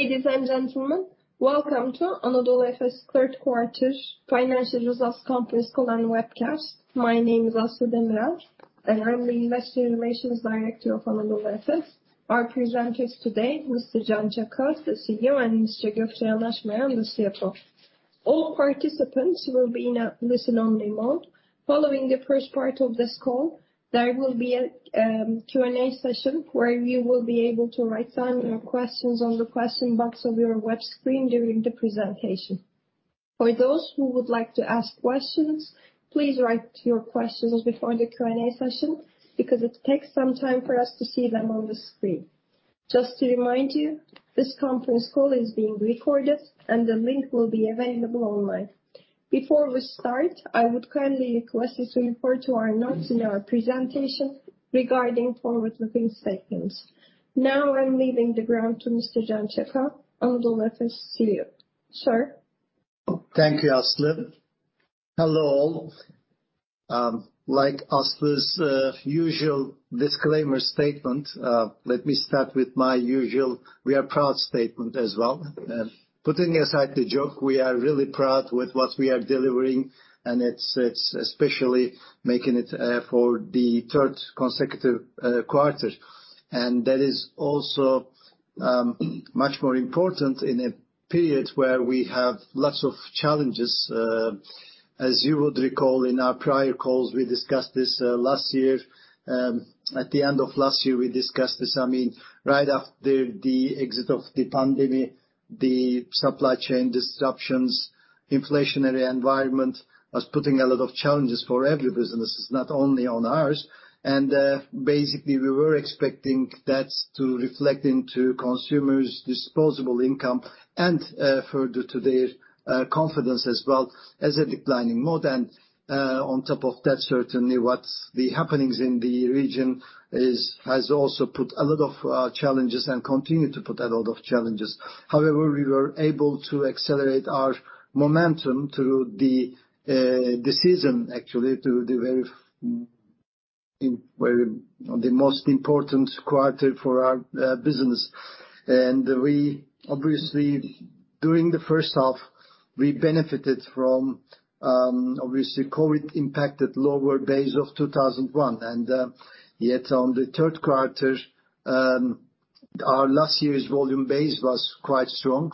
Ladies and gentlemen, welcome to Anadolu Efes third quarter financial results conference call and webcast. My name is Aslı Kılıç Demirel, and I'm the Investor Relations Director of Anadolu Efes. Our presenters today, Mr. Can Çaka, the CEO, and Ms. Gökçe Yanaşmayan, the CFO. All participants will be in a listen-only mode. Following the first part of this call, there will be a Q&A session where you will be able to write down your questions on the question box of your web screen during the presentation. For those who would like to ask questions, please write your questions before the Q&A session because it takes some time for us to see them on the screen. Just to remind you, this conference call is being recorded and the link will be available online. Before we start, I would kindly request you to refer to our notes in our presentation regarding forward-looking statements. Now I'm leaving the floor to Mr. Can Çaka, Anadolu Efes CEO. Sir. Thank you, Aslı. Hello all. Like Aslı's usual disclaimer statement, let me start with my usual we are proud statement as well. Putting aside the joke, we are really proud with what we are delivering, and it's especially making it for the third consecutive quarter. That is also much more important in a period where we have lots of challenges. As you would recall, in our prior calls we discussed this last year. At the end of last year we discussed this, I mean, right after the exit of the pandemic, the supply chain disruptions, inflationary environment was putting a lot of challenges for every businesses, not only on ours. Basically, we were expecting that to reflect into consumers' disposable income and further to their confidence as well as a declining mode. On top of that, certainly what's happening in the region has also put a lot of challenges and continue to put a lot of challenges. However, we were able to accelerate our momentum through the season actually to the very the most important quarter for our business. We obviously during the first half we benefited from obviously COVID impacted lower base of 2021. Yet on the third quarter our last year's volume base was quite strong.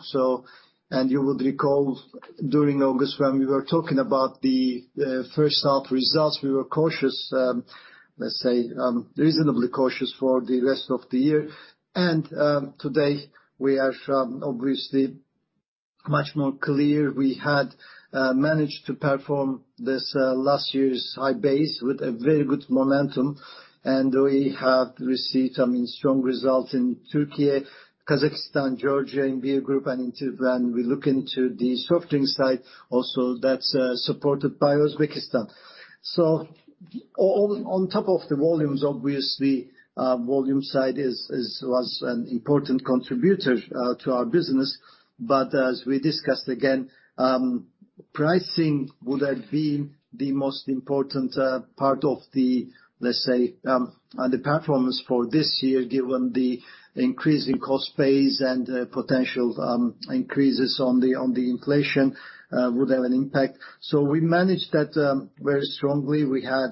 You would recall during August when we were talking about the first half results, we were cautious, let's say, reasonably cautious for the rest of the year. Today we are obviously much more clear. We had managed to perform this last year's high base with a very good momentum, and we have received, I mean, strong results in Turkey, Kazakhstan, Georgia, in Beer Group and when we look into the soft drinks side also that's supported by Uzbekistan. On top of the volumes obviously, volume side was an important contributor to our business. As we discussed again, pricing would have been the most important part of the, let's say, the performance for this year, given the increasing cost base and potential increases on the inflation would have an impact. We managed that very strongly. We had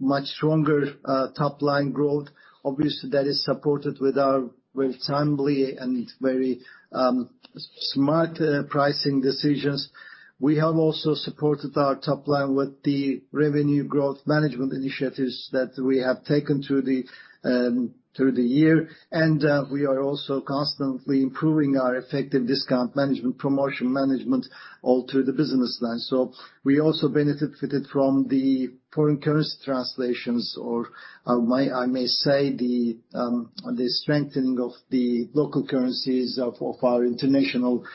much stronger top-line growth. Obviously, that is supported with our very timely and very smart pricing decisions. We have also supported our top line with the revenue growth management initiatives that we have taken through the year. We are also constantly improving our effective discount management, promotion management all through the business line. We also benefited from the foreign currency translations or I may say the strengthening of the local currencies of our international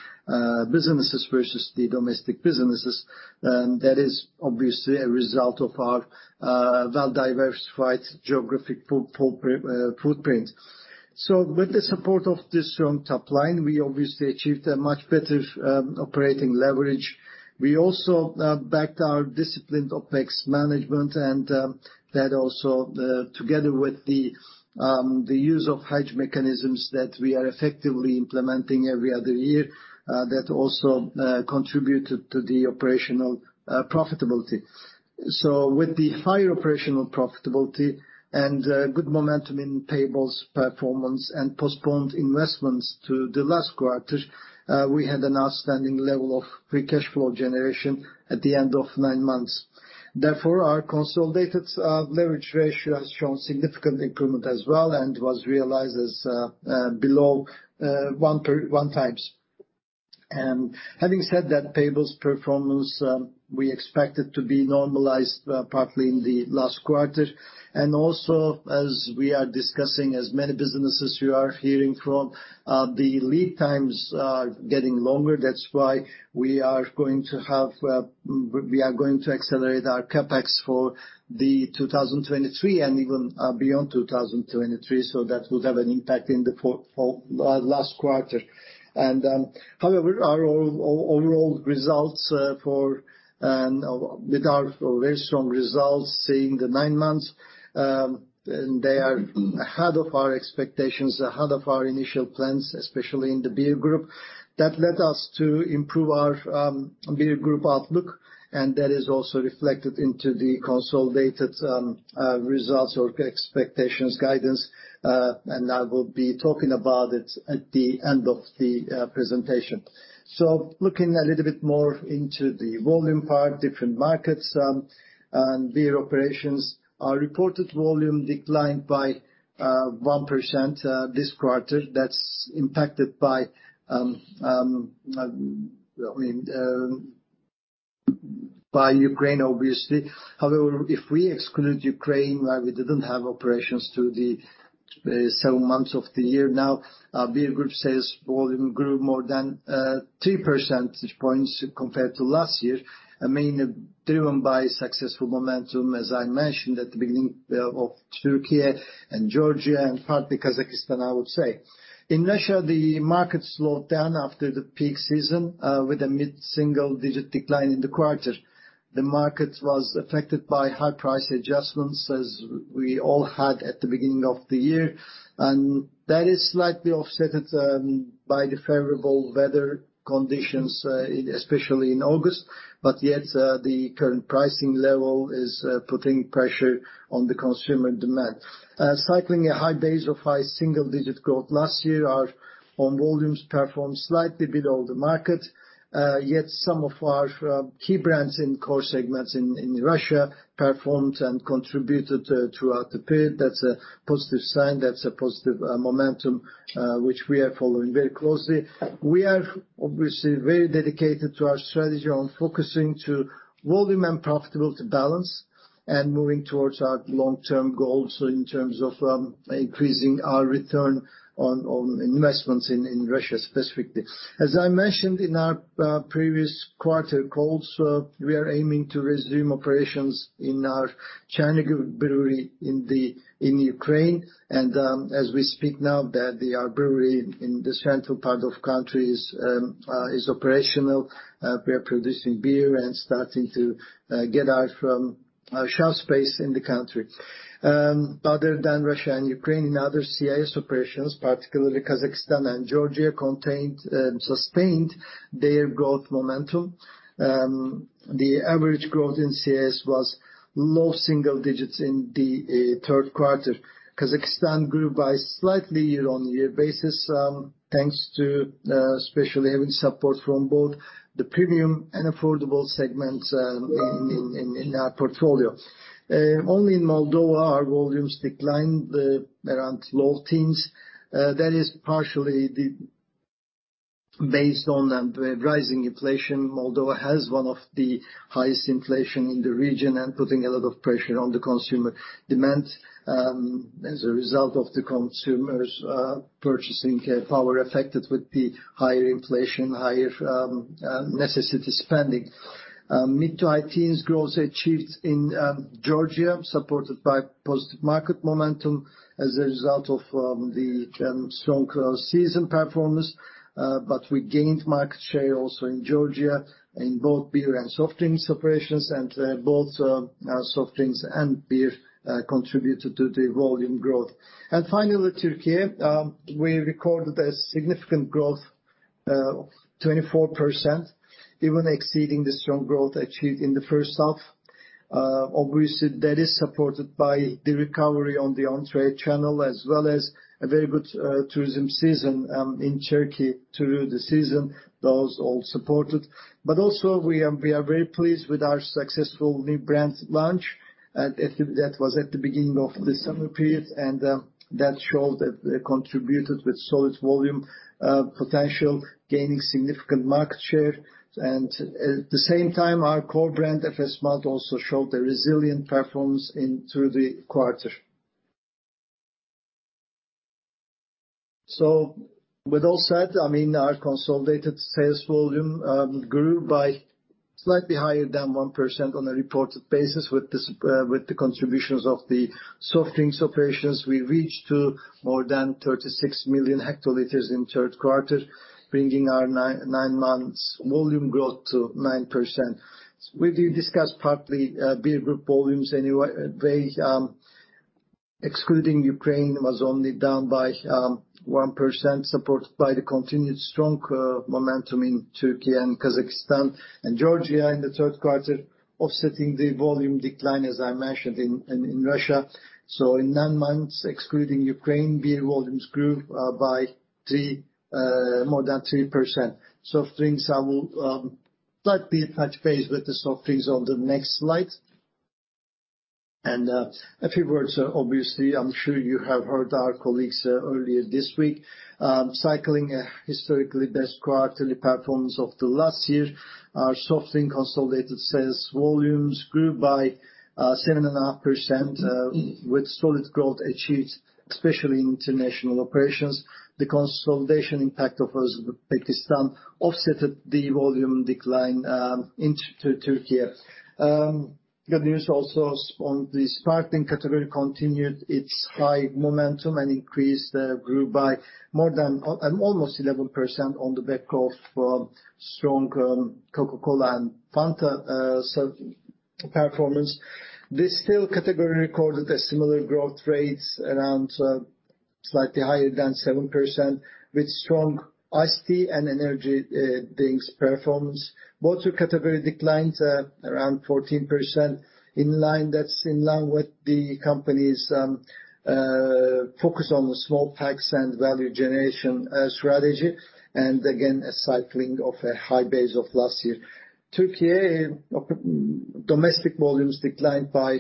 businesses versus the domestic businesses. That is obviously a result of our well-diversified geographic footprint. With the support of this strong top line, we obviously achieved a much better operating leverage. We also backed our disciplined OpEx management, and that also together with the use of hedge mechanisms that we are effectively implementing every other year, that also contributed to the operational profitability. With the higher operational profitability and good momentum in payables performance and postponed investments to the last quarter, we had an outstanding level of free cash flow generation at the end of nine months. Therefore, our consolidated leverage ratio has shown significant improvement as well and was realized as below 1x. Having said that, payables performance, we expect it to be normalized partly in the last quarter. Also, as we are discussing, as many businesses you are hearing from, the lead times are getting longer. That's why we are going to accelerate our CapEx for 2023 and even beyond 2023. That will have an impact in the last quarter. However, our overall results, with our very strong results in the nine months, and they are ahead of our expectations, ahead of our initial plans, especially in the Beer Group. That led us to improve our Beer Group outlook, and that is also reflected into the consolidated results or expectations guidance. I will be talking about it at the end of the presentation. Looking a little bit more into the volume part, different markets, and beer operations. Our reported volume declined by 1% this quarter. That's impacted by, I mean, by Ukraine obviously. However, if we exclude Ukraine, where we didn't have operations through the seven months of the year now, our Beer Group sales volume grew more than 3 percentage points compared to last year. I mean, driven by successful momentum, as I mentioned at the beginning in Turkey and Georgia, and partly Kazakhstan, I would say. In Russia, the market slowed down after the peak season with a mid-single digit decline in the quarter. The market was affected by high price adjustments, as we all had at the beginning of the year. That is slightly offset by the favorable weather conditions, especially in August. Yet, the current pricing level is putting pressure on the consumer demand. Cycling a high base of high single-digit growth last year, our own volumes performed slightly below the market. Yet some of our key brands in core segments in Russia performed and contributed throughout the period. That's a positive sign. That's a positive momentum which we are following very closely. We are obviously very dedicated to our strategy on focusing on volume and profitability balance and moving towards our long-term goals in terms of increasing our return on investments in Russia, specifically. As I mentioned in our previous quarterly calls, we are aiming to resume operations in our Chernihiv Brewery in Ukraine. As we speak now that our brewery in this central part of country is operational. We are producing beer and starting to get our shelf space in the country. Other than Russia and Ukraine, other CIS operations, particularly Kazakhstan and Georgia, continued to sustain their growth momentum. The average growth in CIS was low single digits in the third quarter. Kazakhstan grew slightly on a year-over-year basis, thanks to especially having support from both the premium and affordable segments in our portfolio. Only in Moldova our volumes declined around low teens. That is partially based on the rising inflation. Moldova has one of the highest inflation in the region and putting a lot of pressure on the consumer demand, as a result of the consumers' purchasing power affected with the higher inflation, higher necessity spending. Mid- to high-teens growth achieved in Georgia, supported by positive market momentum as a result of the strong seasonal performance. We gained market share also in Georgia in both beer and soft drinks operations. Both our soft drinks and beer contributed to the volume growth. Finally, Turkey. We recorded a significant growth, 24%, even exceeding the strong growth achieved in the first half. Obviously, that is supported by the recovery on the on-trade channel as well as a very good tourism season in Turkey throughout the season. Those all supported. We are very pleased with our successful new brand launch, and that was at the beginning of the summer period. That showed that they contributed with solid volume potential, gaining significant market share. At the same time, our core brand, Efes Malt, also showed a resilient performance throughout the quarter. With all said, I mean, our consolidated sales volume grew by slightly higher than 1% on a reported basis. With this, with the contributions of the soft drinks operations, we reached more than 36 million hectoliters in third quarter, bringing our nine months volume growth to 9%. We did discuss partly Beer Group volumes anyway. Excluding Ukraine was only down by 1%, supported by the continued strong momentum in Turkey and Kazakhstan and Georgia in the third quarter offsetting the volume decline, as I mentioned in Russia. In nine months, excluding Ukraine, Beer volumes grew by more than 3%. Soft drinks, I will let beer touch base with the soft drinks on the next slide. A few words. Obviously, I'm sure you have heard our colleagues earlier this week. Citing a historically best quarterly performance of the last year. Our soft drink consolidated sales volumes grew by 7.5% with solid growth achieved, especially in international operations. The consolidation impact of Pakistan offset the volume decline in Turkey. Then also on the sparkling category continued its high momentum and grew by almost 11% on the back of strong Coca-Cola and Fanta performance. This still category recorded similar growth rates around slightly higher than 7% with strong ice tea and energy drinks performance. Water category declines around 14% in line. That's in line with the company's focus on the small packs and value generation strategy, and again, a cycling of a high base of last year. Turkey domestic volumes declined by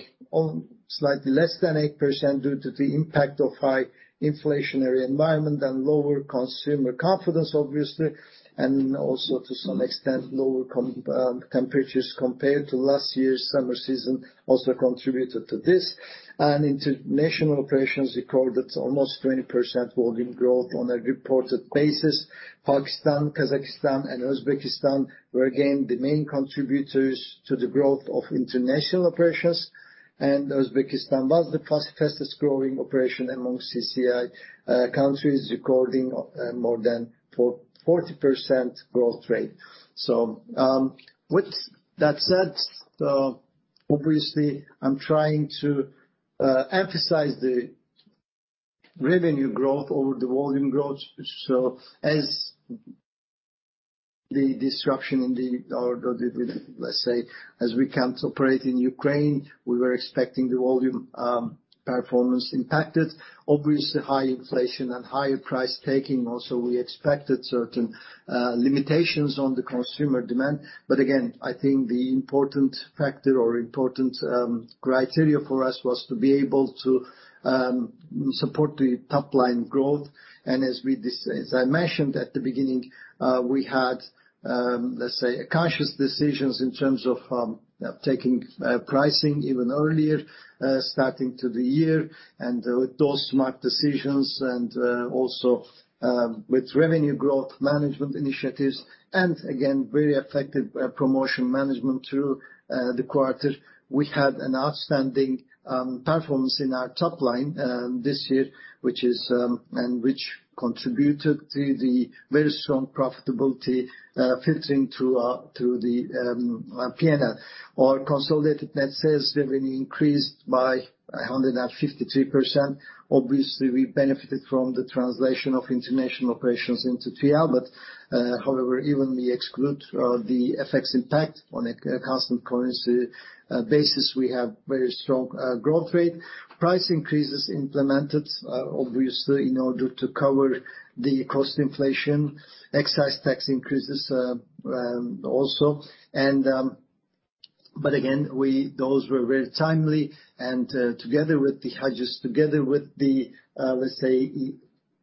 slightly less than 8% due to the impact of high inflationary environment and lower consumer confidence, obviously, and also to some extent, lower temperatures compared to last year's summer season also contributed to this. International operations recorded almost 20% volume growth on a reported basis. Pakistan, Kazakhstan and Uzbekistan were again the main contributors to the growth of international operations, and Uzbekistan was the fastest growing operation among CCI countries, recording more than 40% growth rate. With that said, obviously, I'm trying to emphasize the revenue growth over the volume growth. Let's say, as we can't operate in Ukraine, we were expecting the volume performance impacted. Obviously, high inflation and higher price taking also, we expected certain limitations on the consumer demand. Again, I think the important factor or criteria for us was to be able to support the top line growth. As I mentioned at the beginning, we had, let's say, a cautious decisions in terms of taking pricing even earlier, starting to the year. With those smart decisions and also with revenue growth management initiatives and again, very effective promotion management through the quarter, we had an outstanding performance in our top line this year, which is and which contributed to the very strong profitability filtering through through the P&L. Our consolidated net sales revenue increased by 153%. Obviously, we benefited from the translation of international operations into TL. Even if we exclude the FX impact on a constant currency basis, we have very strong growth rate. Price increases implemented, obviously in order to cover the cost inflation. Excise tax increases also. Those were very timely and together with the hedges, together with the, let's say,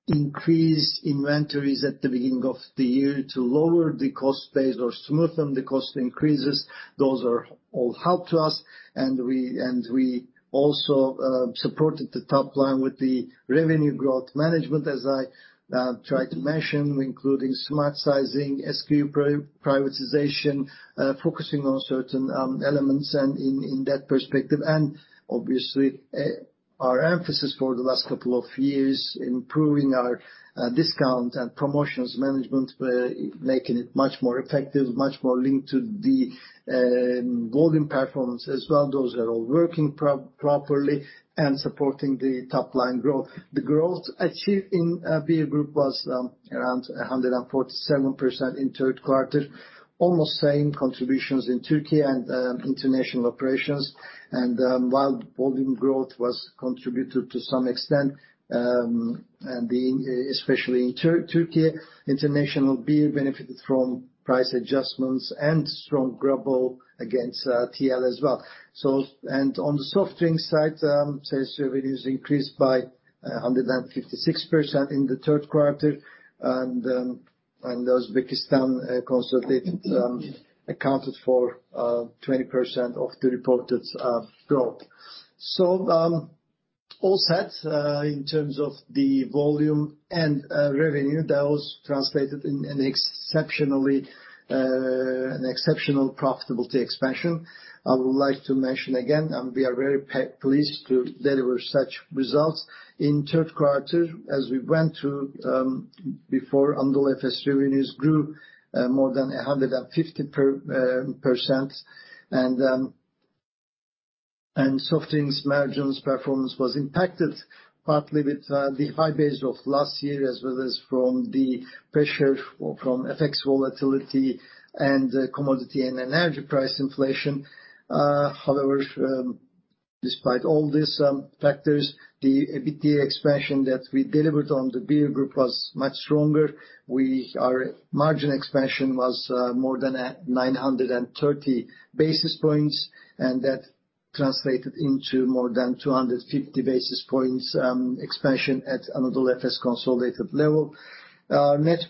increase inventories at the beginning of the year to lower the cost base or smoothen the cost increases, those all helped us. We also supported the top line with the revenue growth management as I tried to mention, including smart sizing, SKU prioritization, focusing on certain elements and in that perspective. Obviously, our emphasis for the last couple of years, improving our discount and promotions management, making it much more effective, much more linked to the volume performance as well. Those are all working properly and supporting the top line growth. The growth achieved in Beer Group was around 147% in third quarter. Almost same contributions in Turkey and international operations. While volume growth was contributed to some extent, especially in Turkey, international beer benefited from price adjustments and strong ruble against TL as well. On the soft drink side, sales revenues increased by 156% in the third quarter. Uzbekistan consolidated accounted for 20% of the reported growth. All said, in terms of the volume and revenue, that was translated in an exceptional profitability expansion. I would like to mention again, and we are very pleased to deliver such results. In third quarter, as we went through before Anadolu Efes revenues grew more than 150%. Soft drinks margins performance was impacted partly with the high base of last year, as well as from the pressure from FX volatility and commodity and energy price inflation. However, despite all these factors, the EBITDA expansion that we delivered on the Beer Group was much stronger. Our margin expansion was more than 930 basis points, and that translated into more than 250 basis points expansion at Anadolu Efes consolidated level. Our net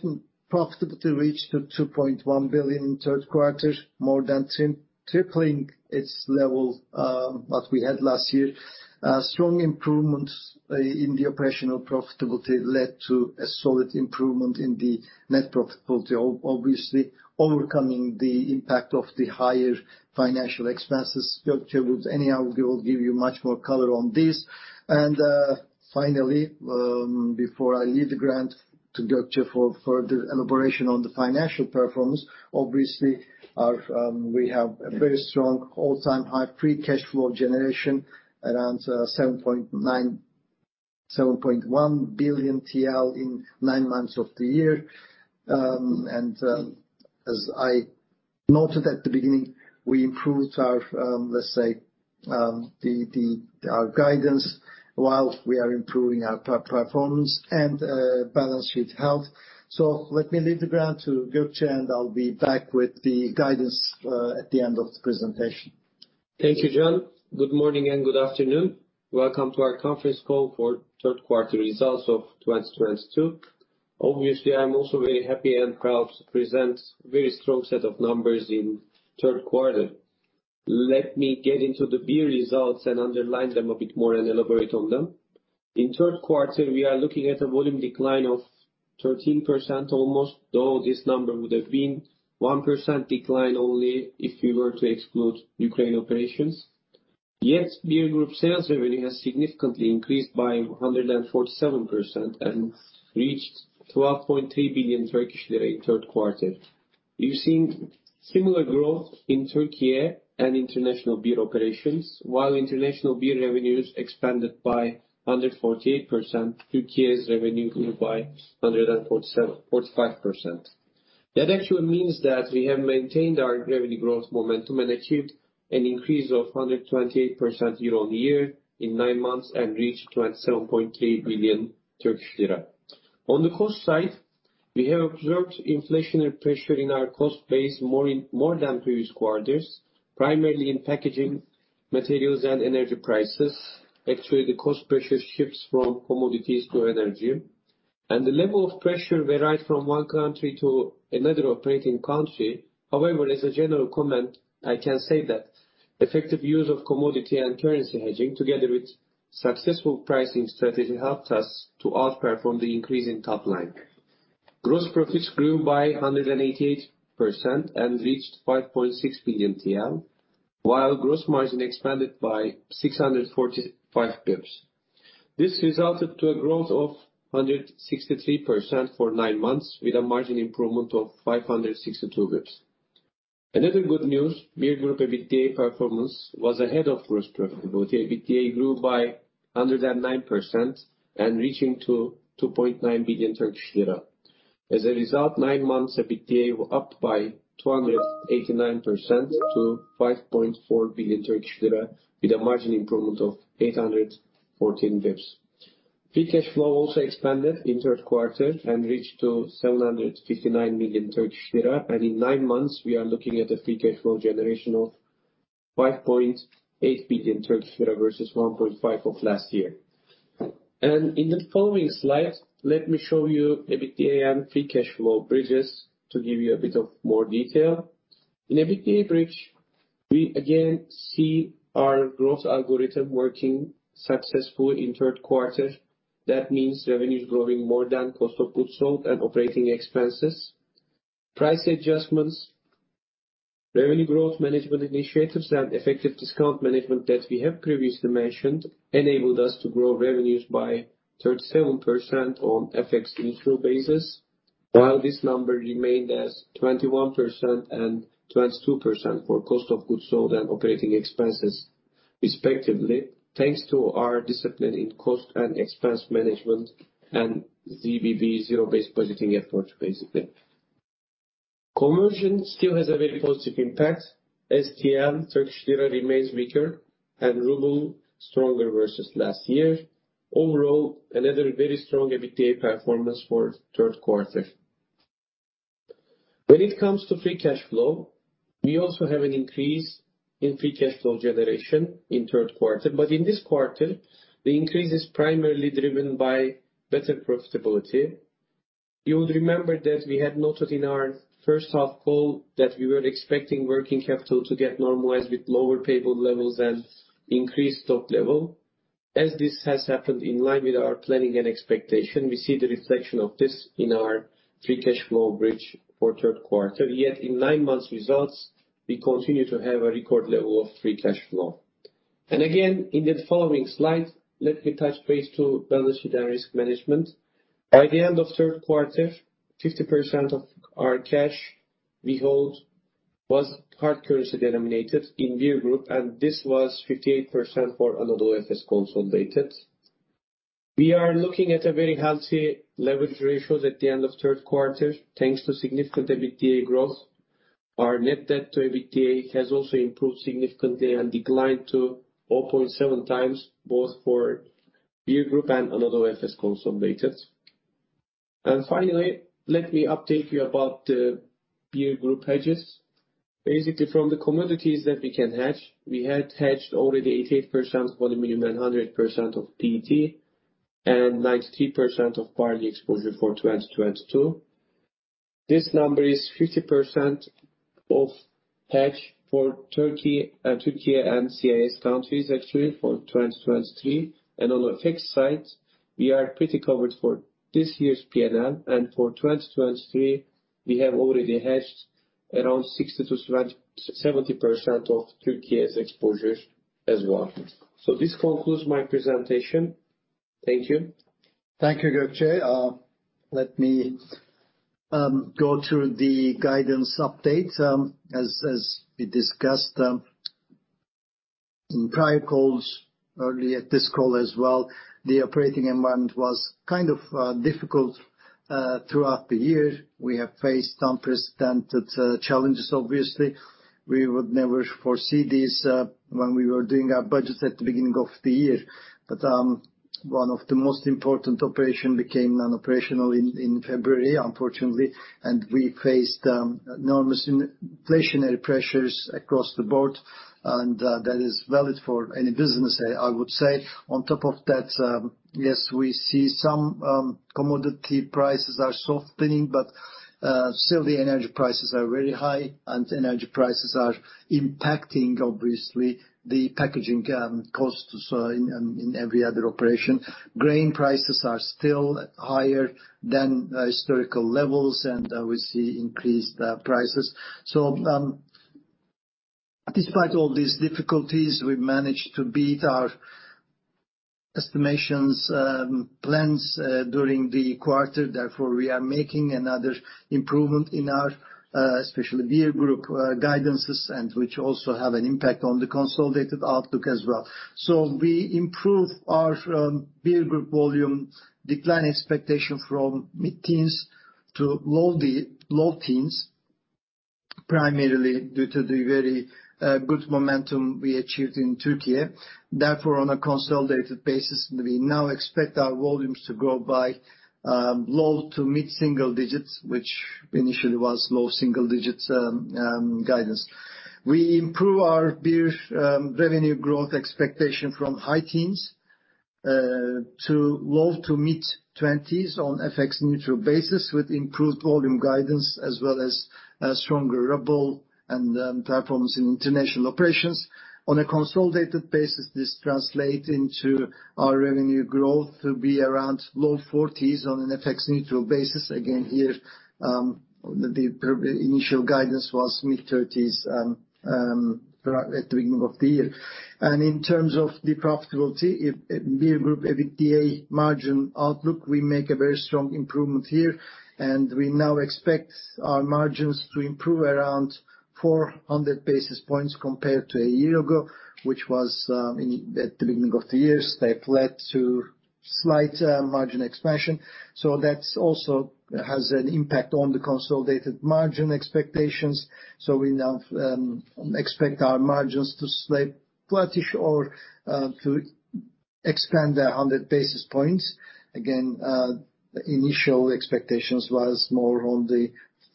profitability reached 2.1 billion in third quarter, more than tripling its level what we had last year. Strong improvements in the operational profitability led to a solid improvement in the net profitability, obviously overcoming the impact of the higher financial expenses. Gökçe will give you much more color on this. Finally, before I leave the floor to Gökçe for the elaboration on the financial performance, obviously we have a very strong all-time high free cash flow generation, around 7.1 billion TL in nine months of the year. As I noted at the beginning, we improved our, let's say, our guidance while we are improving our performance and balance sheet health. Let me leave the floor to Gökçe, and I'll be back with the guidance at the end of the presentation. Thank you, Can. Good morning and good afternoon. Welcome to our conference call for third quarter results of 2022. Obviously, I'm also very happy and proud to present very strong set of numbers in third quarter. Let me get into the beer results and underline them a bit more and elaborate on them. In third quarter, we are looking at a volume decline of 13% almost, though this number would have been 1% decline only if we were to exclude Ukraine operations. Yet Beer Group sales revenue has significantly increased by 147% and reached 12.3 billion Turkish lira in third quarter. You've seen similar growth in Turkey and international beer operations. While international beer revenues expanded by 148%, Turkey's revenue grew by 45%. That actually means that we have maintained our revenue growth momentum and achieved an increase of 128% year-on-year in nine months and reached 27.3 billion Turkish lira. On the cost side, we have observed inflationary pressure in our cost base more than previous quarters, primarily in packaging materials and energy prices. Actually, the cost pressure shifts from commodities to energy. The level of pressure varied from one country to another operating country. However, as a general comment, I can say that effective use of commodity and currency hedging, together with successful pricing strategy, helped us to outperform the increase in top line. Gross profits grew by 188% and reached 5.6 billion TL, while gross margin expanded by 645 basis points. This resulted to a growth of 163% for nine months with a margin improvement of 562 basis points. Another good news, Beer Group EBITDA performance was ahead of gross profitability. EBITDA grew by 109% and reaching to 2.9 billion Turkish lira. As a result, nine months EBITDA were up by 289% to 5.4 billion Turkish lira with a margin improvement of 814 basis points. Free cash flow also expanded in third quarter and reached to 759 million Turkish lira, and in nine months we are looking at a free cash flow generation of 5.8 billion Turkish lira versus 1.5 billion of last year. In the following slide, let me show you EBITDA and free cash flow bridges to give you a bit more detail. In EBITDA bridge, we again see our growth algorithm working successfully in third quarter. That means revenue is growing more than cost of goods sold and operating expenses. Price adjustments, revenue growth management initiatives, and effective discount management that we have previously mentioned enabled us to grow revenues by 37% on FX neutral basis, while this number remained as 21% and 22% for cost of goods sold and operating expenses, respectively, thanks to our discipline in cost and expense management and ZBB zero-based budgeting effort, basically. Conversion still has a very positive impact. TL, Turkish lira remains weaker and ruble stronger versus last year. Overall, another very strong EBITDA performance for third quarter. When it comes to free cash flow, we also have an increase in free cash flow generation in third quarter. In this quarter, the increase is primarily driven by better profitability. You will remember that we had noted in our first half call that we were expecting working capital to get normalized with lower payable levels and increased stock level. As this has happened in line with our planning and expectation, we see the reflection of this in our free cash flow bridge for third quarter. Yet in nine months results, we continue to have a record level of free cash flow. Again, in the following slide, let me touch base to balance sheet and risk management. By the end of third quarter, 50% of our cash we hold was hard currency denominated in Beer Group, and this was 58% for Anadolu Efes consolidated. We are looking at a very healthy leverage ratios at the end of third quarter, thanks to significant EBITDA growth. Our net debt to EBITDA has also improved significantly and declined to 0.7x, both for Beer Group and Anadolu Efes consolidated. Finally, let me update you about the Beer Group hedges. Basically, from the commodities that we can hedge, we had hedged already 88% volume million, 100% of PET, and 93% of barley exposure for 2022. This number is 50% of hedge for Turkey, Türkiye and CIS countries actually for 2023. On the FX side, we are pretty covered for this year's P&L, and for 2023 we have already hedged around 60%-70% of Türkiye's exposures as well. This concludes my presentation. Thank you. Thank you, Gökçe. Let me go through the guidance update. As we discussed in prior calls, earlier this call as well, the operating environment was kind of difficult throughout the year. We have faced unprecedented challenges obviously. We would never foresee these when we were doing our budgets at the beginning of the year. One of the most important operation became non-operational in February, unfortunately, and we faced enormous inflationary pressures across the board, and that is valid for any business, I would say. On top of that, yes, we see some commodity prices are softening, but still the energy prices are very high, and energy prices are impacting obviously the packaging costs in every other operation. Grain prices are still higher than historical levels, and we see increased prices. Despite all these difficulties, we managed to beat our estimations, plans during the quarter, therefore, we are making another improvement in our especially Beer Group guidances and which also have an impact on the consolidated outlook as well. We improve our Beer Group volume decline expectation from mid-teens to low-teens, primarily due to the very good momentum we achieved in Türkiye. Therefore, on a consolidated basis, we now expect our volumes to grow by low to mid-single-digit, which initially was low-single-digit, guidance. We improve our beer revenue growth expectation from high teens to low-to-mid 20s on FX neutral basis with improved volume guidance, as well as stronger ruble and performance in international operations. On a consolidated basis, this translates into our revenue growth to be around low 40s on an FX neutral basis. Again, here, the initial guidance was mid-30s at the beginning of the year. In terms of the profitability, for Beer Group EBITDA margin outlook, we make a very strong improvement here, and we now expect our margins to improve around 400 basis points compared to a year ago, which was at the beginning of the year. They've led to slight margin expansion. That also has an impact on the consolidated margin expectations. We now expect our margins to stay flattish or to expand 100 basis points. Again, the initial expectations was more on the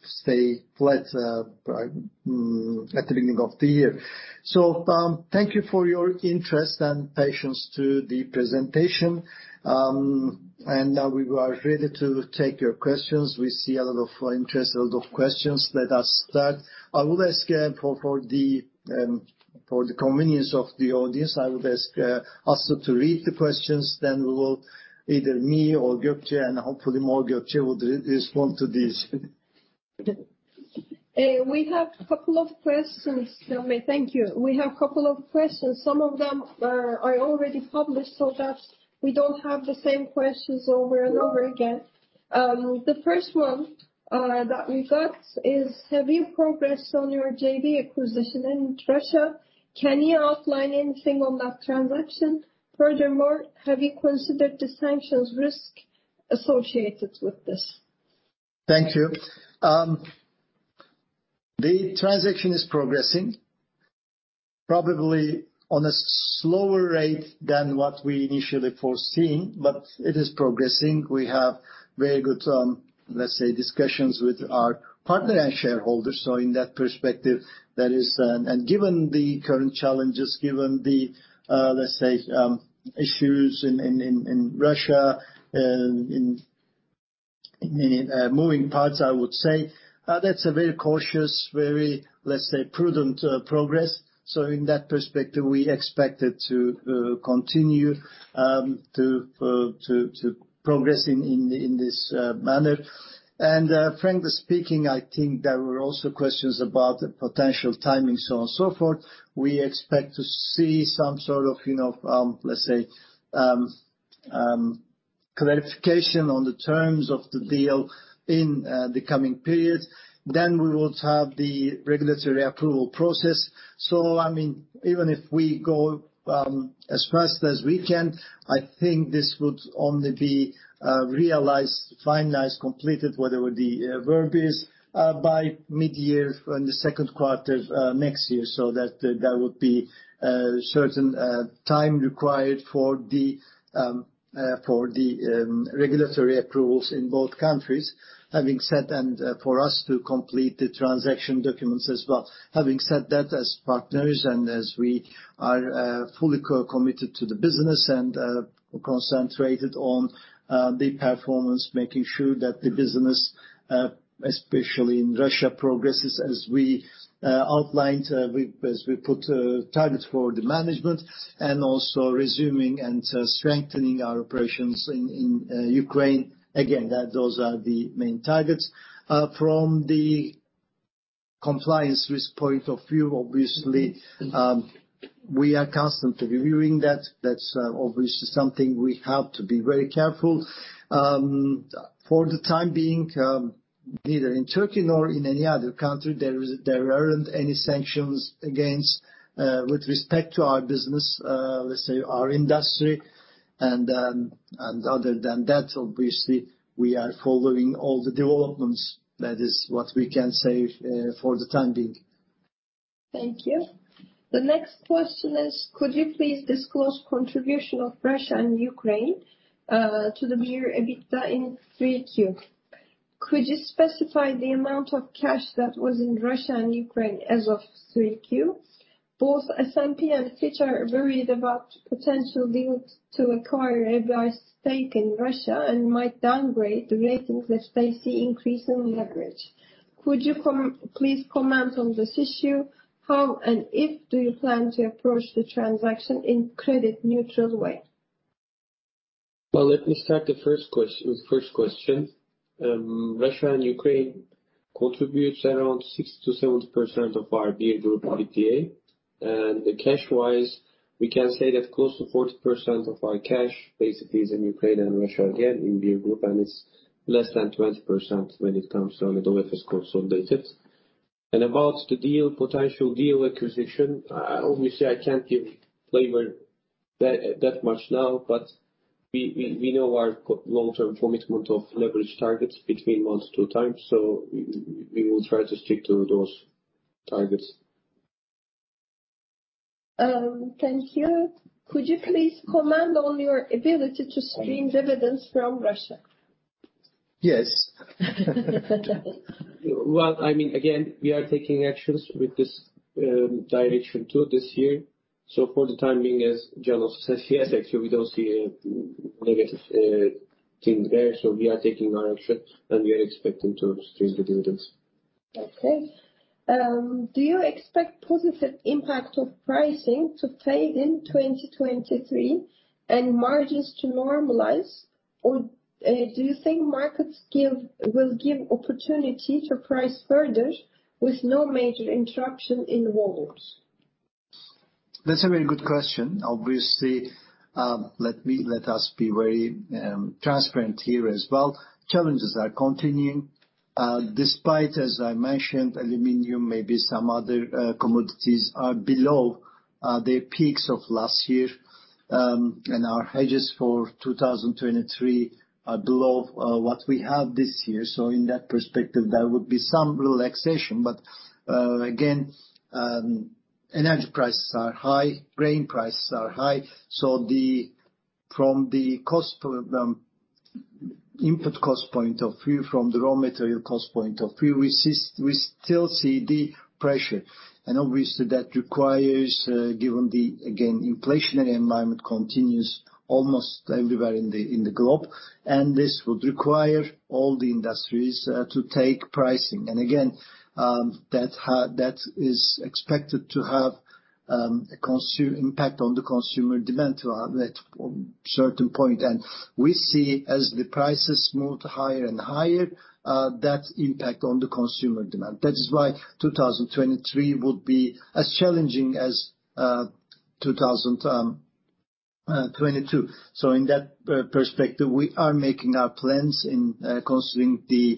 stay flat at the beginning of the year. Thank you for your interest and patience to the presentation. Now we are ready to take your questions. We see a lot of interest, a lot of questions. Let us start. I would ask for the convenience of the audience. I would ask Aslı to read the questions, then we will, either me or Gökçe, and hopefully more Gökçe will respond to these. Thank you. We have a couple of questions. Some of them are already published so that we don't have the same questions over and over again. The first one that we got is: Have you progressed on your JV acquisition in Russia? Can you outline anything on that transaction? Furthermore, have you considered the sanctions risk associated with this? Thank you. The transaction is progressing probably on a slower rate than what we initially foreseen, but it is progressing. We have very good, let's say, discussions with our partner and shareholders. In that perspective, that is. Given the current challenges, given the, let's say, issues in Russia, in moving parts, I would say, that's a very cautious, very, let's say, prudent progress. In that perspective, we expect it to continue to progress in this manner. Frankly speaking, I think there were also questions about the potential timing, so on and so forth. We expect to see some sort of, you know, let's say, clarification on the terms of the deal in the coming period. We would have the regulatory approval process. I mean, even if we go as fast as we can, I think this would only be realized, finalized, completed, whatever the verb is, by mid-year in the second quarter next year. That would be certain time required for the regulatory approvals in both countries. Having said and for us to complete the transaction documents as well. Having said that, as partners and as we are fully committed to the business and concentrated on the performance, making sure that the business, especially in Russia, progresses as we outlined, as we put targets for the management and also resuming and strengthening our operations in Ukraine. Again, those are the main targets. From the compliance risk point of view, obviously, we are constantly reviewing that. That's obviously something we have to be very careful. For the time being, neither in Turkey nor in any other country there aren't any sanctions against, with respect to our business, let's say our industry. Other than that, obviously we are following all the developments. That is what we can say for the time being. Thank you. The next question is, could you please disclose contribution of Russia and Ukraine to the beer EBITDA in 3Q? Could you specify the amount of cash that was in Russia and Ukraine as of 3Q? Both S&P and Fitch are worried about potential deals to acquire Efes stake in Russia and might downgrade the ratings if they see increase in leverage. Could you please comment on this issue? How and if do you plan to approach the transaction in credit neutral way? Well, let me start the first question. Russia and Ukraine contributes around 60%-70% of our Beer Group EBITDA. Cash-wise, we can say that close to 40% of our cash basically is in Ukraine and Russia, again, in Beer Group, and it's less than 20% when it comes to Anadolu Efes consolidated. About the deal, potential deal acquisition, obviously I can't give flavor that much now, but we know our long-term commitment of leverage targets between 1x-2x, so we will try to stick to those targets. Thank you. Could you please comment on your ability to stream dividends from Russia? Yes. Well, I mean, again, we are taking actions with this direction too this year. For the time being, as Can says, yes, actually we don't see a negative thing there. We are taking our action, and we are expecting to stream the dividends. Do you expect positive impact of pricing to fade in 2023 and margins to normalize? Or, do you think markets will give opportunity to price further with no major interruption in volumes? That's a very good question. Obviously, let us be very transparent here as well. Challenges are continuing despite, as I mentioned, aluminum, maybe some other commodities are below their peaks of last year. Our hedges for 2023 are below what we have this year. In that perspective, there would be some relaxation. Again, energy prices are high, grain prices are high. From the cost input cost point of view, from the raw material cost point of view, we still see the pressure. Obviously that requires, given the again inflationary environment continues almost everywhere in the globe. This would require all the industries to take pricing. That is expected to have a considerable impact on the consumer demand to a certain point. We see that as the prices move higher and higher, that impact on the consumer demand. That is why 2023 would be as challenging as 2022. In that perspective, we are making our plans considering the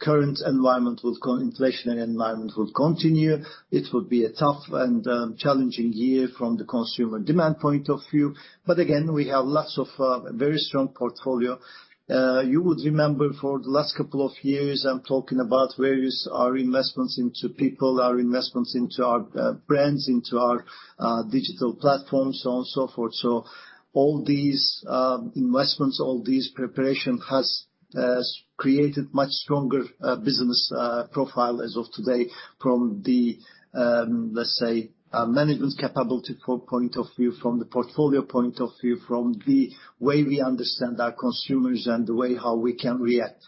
current inflationary environment will continue. It will be a tough and challenging year from the consumer demand point of view. We have lots of very strong portfolio. You would remember for the last couple of years. I'm talking about various of our investments into people, our investments into our brands, into our digital platforms, so on and so forth. All these investments, all these preparation has created much stronger business profile as of today from the, let's say, management capability point of view, from the portfolio point of view, from the way we understand our consumers and the way how we can react.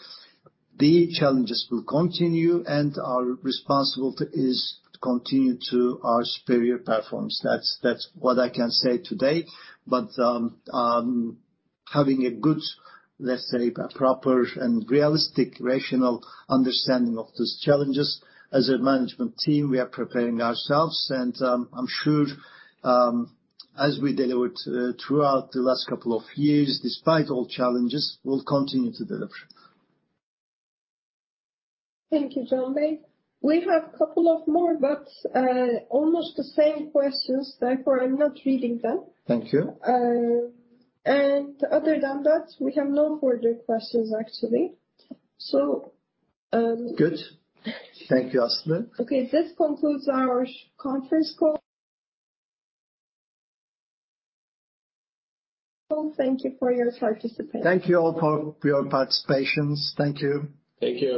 The challenges will continue, and our responsibility is to continue to our superior performance. That's what I can say today. Having a good, let's say, a proper and realistic, rational understanding of these challenges, as a management team, we are preparing ourselves. I'm sure as we delivered throughout the last couple of years, despite all challenges, we'll continue to deliver. Thank you, Can Bey. We have couple of more, but almost the same questions. Therefore, I'm not reading them. Thank you. Other than that, we have no further questions actually. Good. Thank you, Aslı. Okay, this concludes our conference call. Thank you for your participation. Thank you all for your participation. Thank you. Thank you.